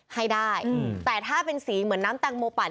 ให้ได้แต่ถ้าเป็นสีเหมือนน้ำแตงโมปั่น